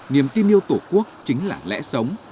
niềm tin yêu tổ quốc chính là lẽ sống